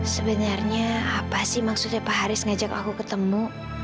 sebenarnya apa sih maksudnya pak haris mengajak saya ketemu